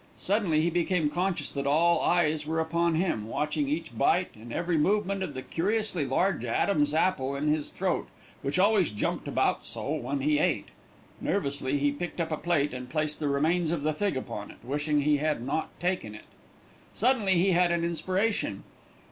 Suddenly he became conscious that all eyes were upon him, watching each bite and every movement of the curiously large adam's apple in his throat, which always jumped about so when he ate. Nervously he picked up a plate and placed the remains of the fig upon it, wishing he had not taken it. Suddenly he had an inspiration.